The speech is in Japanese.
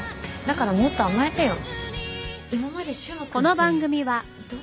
だからもっと甘えてよ。